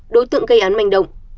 đối tượng gây án manh động